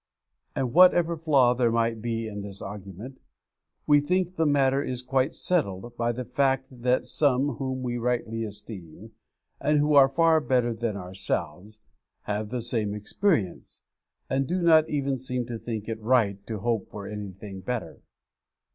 And whatever flaw there might be in this argument, we think the matter is quite settled by the fact that some whom we rightly esteem, and who are far better than ourselves, have the same experience, and do not even seem to think it right to hope for anything better.